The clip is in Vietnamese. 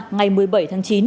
ngày một mươi bảy tháng chín